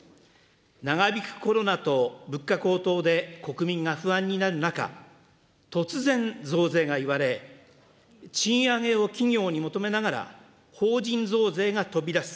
長引くコロナと物価高騰で国民が不安になる中、突然増税が言われ、賃上げを企業に求めながら、法人増税が飛び出す。